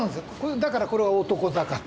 だからこれは「男坂」って。